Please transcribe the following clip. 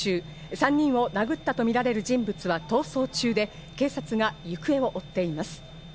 ３人を殴ったとみられる人物は逃走中で、警察が行方を追っています。